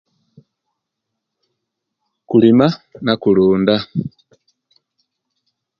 Kulima na'kulunda